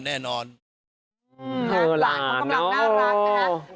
หลานของกำลังน่ารักนะครับ